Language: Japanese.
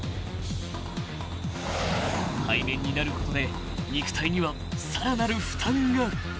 ［背面になることで肉体にはさらなる負担が］